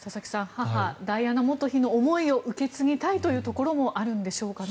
母ダイアナ元妃の思いを受け継ぎたいというところもあるんでしょうかね。